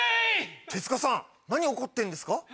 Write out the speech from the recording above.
手塚さん何怒ってんですか？